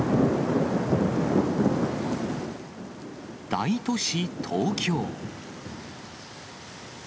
大都市、東京。